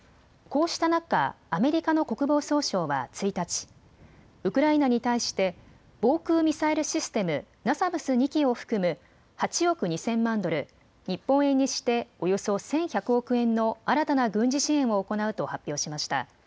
こうした中、アメリカの国防総省は１日、ウクライナに対して防空ミサイルシステムナサムス２基を含む８億２０００万ドル、日本円にしておよそ１１００億円の新たな軍事支援を行うと発表しました。